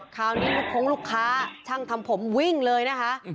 คราวนี้ลูกคงลูกค้าช่างทำผมวิ่งเลยนะคะ